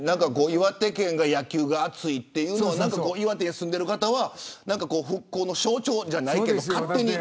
岩手県が野球が熱いというのを岩手に住んでいる方は復興の象徴じゃないけど勝手に。